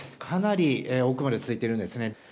かなり奥まで続いているんですね。